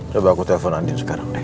coba aku telepon andin sekarang deh